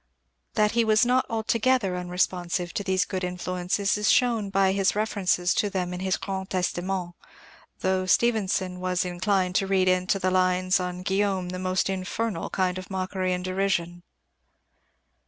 That he was not altogether unresponsive to these good influences is shown by his references to them in his Grand Testament, though Stevenson was inclined to read into the lines on Guillaume the most infernal kind of mockery and derision.